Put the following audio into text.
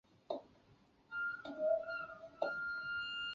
最近也开始制作栗林美奈实等人的乐曲。